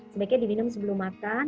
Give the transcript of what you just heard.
sebaiknya diminum sebelum makan